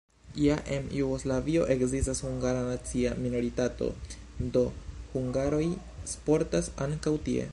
Ja en Jugoslavio ekzistas hungara nacia minoritato, do, hungaroj sportas ankaŭ tie.